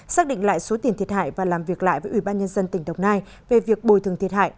xác định lại số tiền thiệt hại và làm việc lại với ủy ban nhân dân tỉnh đồng nai về việc bồi thường thiệt hại